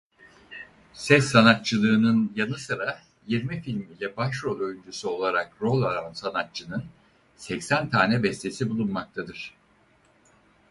Ses sanatçılığının yanı sıra yirmi film ile başrol oyuncusu olarak rol alan sanatçının seksen tane bestesi bulunmaktadır.